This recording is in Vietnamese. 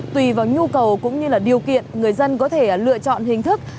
tùy vào nhu cầu cũng như điều kiện người dân có thể lựa chọn hình thức